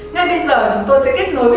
ngay bây giờ chúng tôi sẽ kết nối với